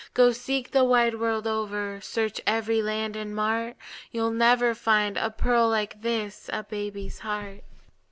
Go seek the wide world over! Search every land and mart! You 'll never find a pearl like this A baby's heart.